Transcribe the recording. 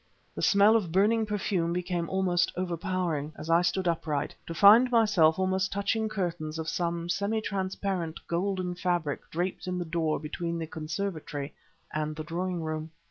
The smell of burning perfume became almost overpowering, as I stood upright, to find myself almost touching curtains of some semi transparent golden fabric draped in the door between the conservatory and the drawing room.